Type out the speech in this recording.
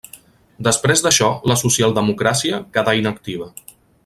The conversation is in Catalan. Després d'això la socialdemocràcia quedà inactiva.